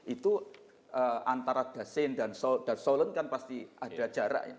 itu antara dasen dan solen kan pasti ada jarak